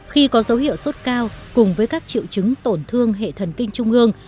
khi có dấu hiệu sốt cao cùng với các triệu chứng tổn thương hệ thần kinh trung ương